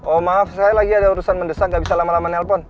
oh maaf sekali lagi ada urusan mendesak gak bisa lama lama nelpon